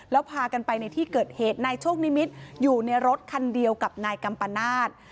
แล้วพากันไปในที่เกิดเหตุนายโชคนิมิตรอยู่ในรถคันเดียวกับนายกัมปนาศ